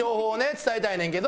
伝えたいねんけど。